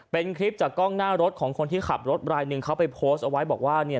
เป็นคลิปจากกล้องหน้ารถของคนที่ขับรถรายหนึ่งเขาไปโพสต์เอาไว้บอกว่าเนี่ย